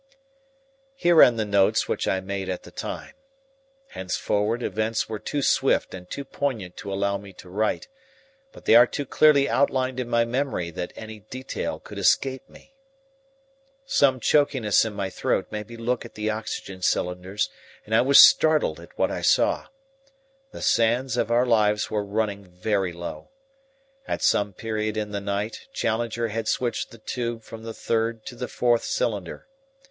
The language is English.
Here end the notes which I made at the time. Henceforward events were too swift and too poignant to allow me to write, but they are too clearly outlined in my memory that any detail could escape me. Some chokiness in my throat made me look at the oxygen cylinders, and I was startled at what I saw. The sands of our lives were running very low. At some period in the night Challenger had switched the tube from the third to the fourth cylinder.